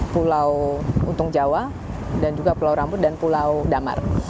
pulau untung jawa dan juga pulau rambut dan pulau damar